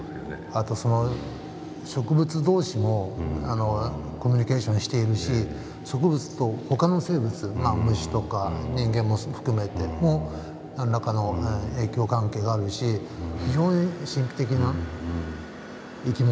あと植物同士もコミュニケーションしているし植物と他の生物虫とか人間も含めても何らかの影響関係があるし非常に神秘的な生き物ですよね。